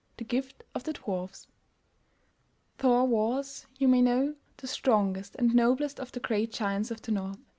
THE GIFTS OF THE DWARFS Thor was, you may know, the strongest and noblest of the great giants of the north.